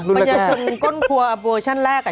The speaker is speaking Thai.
ตอนเล่นจริง